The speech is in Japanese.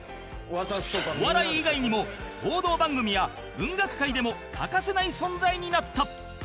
お笑い以外にも報道番組や文学界でも欠かせない存在になった